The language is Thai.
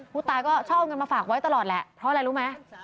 ผู้ตายก็ชอบเอาเงินมาฝากไว้ตลอดแหละเพราะอะไรรู้ไหม